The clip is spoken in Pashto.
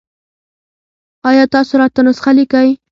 ایا تاسو راته نسخه لیکئ؟